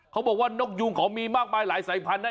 เขาบอกว่านกยูงเขามีมากมายหลายสายพันธุนะ